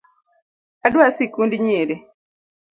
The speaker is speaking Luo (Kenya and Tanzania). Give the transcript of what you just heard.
Adwa sikund nyiri